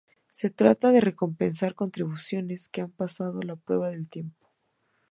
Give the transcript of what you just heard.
Se trata de recompensar contribuciones que han pasado la prueba del tiempo.